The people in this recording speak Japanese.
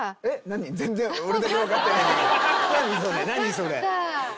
それ。